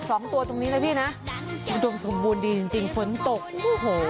สองตัวตรงนี้นะพี่นะอุดมสมบูรณ์ดีจริงจริงฝนตกโอ้โห